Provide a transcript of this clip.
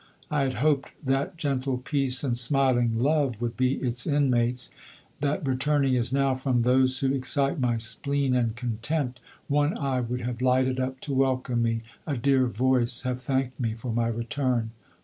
I hail hoped that gentle peace and smiling love would be its inmates, that returning as now, from those who excite my spleen and contempt, o\w eye would have lighted up to welcome me, a dear voice have thanked me for my return.